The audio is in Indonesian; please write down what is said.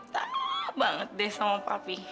tapi tak banget deh sama papi